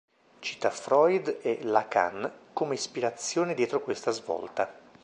Cita Freud e Lacan come ispirazione dietro questa svolta.